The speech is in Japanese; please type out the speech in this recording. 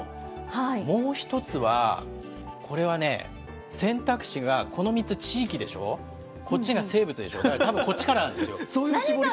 もう１つは、これはね、選択肢がこの３つ、地域でしょ、こっちが生物でしょ、だからたぶんこっちからなんですよ。